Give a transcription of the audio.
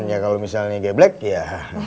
ya kalau misalnya geblek ya